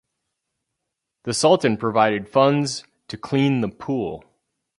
The Sultan provided funds to clean the pool.